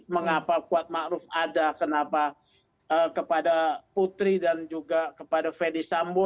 mengapa kuat ma'ruf ada kenapa kepada putri dan juga kepada ferdis sambo